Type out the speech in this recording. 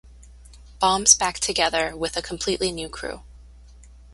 Bombs back together with a completely new crew.